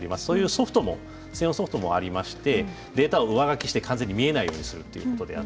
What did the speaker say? そういうソフトも専用のソフトがありましてデータを上書きして完全に見えないようにする。